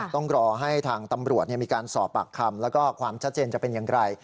ต้องรอให้ทางตำรวจมีการสอบปากคำแล้วก็ความชัดเจนจะเป็นอย่างไร